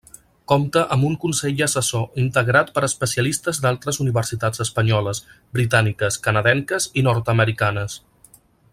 Compta amb un consell assessor integrat per especialistes d'altres universitats espanyoles, britàniques, canadenques i nord-americanes.